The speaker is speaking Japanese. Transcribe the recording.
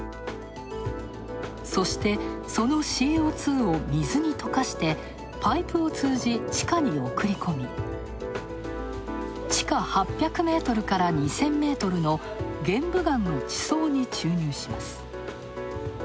そして、そのＣＯ２を水に溶かしてパイプを通じ、地下に送り込み、地下８００メートルから２０００メートルの玄武岩の地層に注入します。